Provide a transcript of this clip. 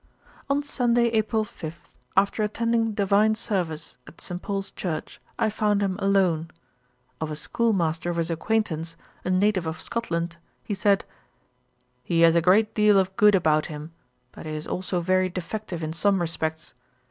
On Sunday, April 5, after attending divine service at St. Paul's church, I found him alone. Of a schoolmaster of his acquaintance, a native of Scotland, he said, 'He has a great deal of good about him; but he is also very defective in some respects.